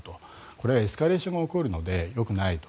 これはエスカレーションが起こるのでよくないと。